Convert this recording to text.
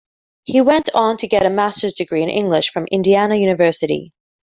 He went on to get a master's degree in English from Indiana University.